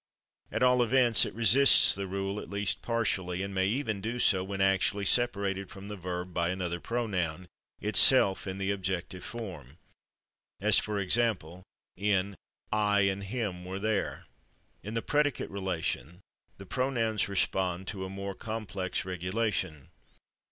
At all events, it resists the rule, at least partially, and may even do so when actually separated from the verb by another pronoun, itself in the objective form, as for example, in "/I/ and /him/ were there." In the predicate relation the pronouns respond to a more complex regulation.